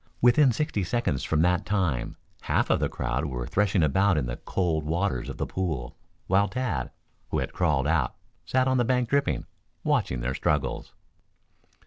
Within sixty seconds from that time half of the crowd were threshing about in the cold waters of the pool, while Tad, who had crawled out, sat on the bank dripping, watching their struggles.